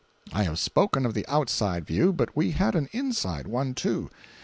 I have spoken of the outside view—but we had an inside one, too.